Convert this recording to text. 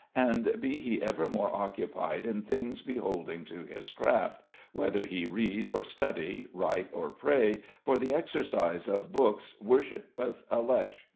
And be he evermore occupied in things beholding to his craft, whether he read or study, write or pray, for the exercise of books whorshippeth a leche....